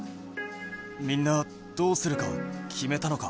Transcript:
みんなどうするかきめたのか？